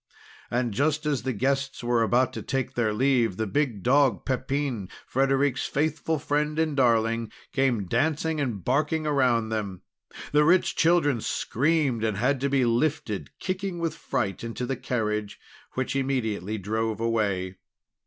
And just as the guests were about to take their leave, the dog Pepin, Frederic's faithful friend and darling, came dancing and barking around them. The rich children screamed, and had to be lifted, kicking with fright, into the carriage, which immediately drove away.